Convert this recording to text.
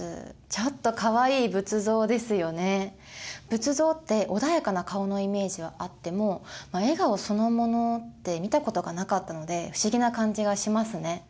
仏像って穏やかな顔のイメージはあっても笑顔そのものって見たことがなかったので不思議な感じがしますね。